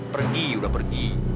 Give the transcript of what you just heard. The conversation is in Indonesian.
pergi udah pergi